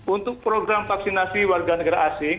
untuk program vaksinasi warga negara asing